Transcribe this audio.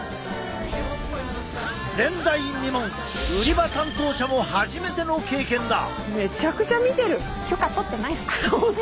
前代未聞売り場担当者も初めての経験だ。